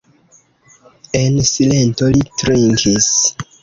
En silento li trinkis.